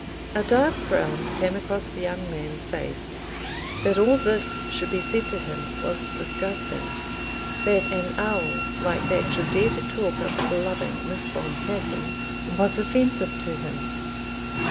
A dark frown came across the young man's face. That all this should be said to him was disgusting. That an owl like that should dare to talk of loving Miss Boncassen was offensive to him.